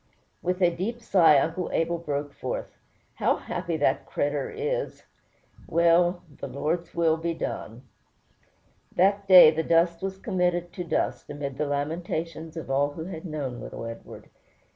With a deep sigh Uncle Abel broke forth, "How happy that cretur' is! Well, the Lord's will be done." That day the dust was committed to dust, amid the lamentations of all who had known little Edward.